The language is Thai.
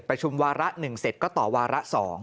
ประชุมวาระ๑เสร็จก็ต่อวาระ๒